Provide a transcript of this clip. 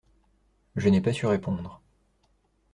Je n’ai pas su répondre.